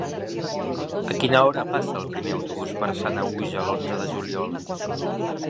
A quina hora passa el primer autobús per Sanaüja l'onze de juliol?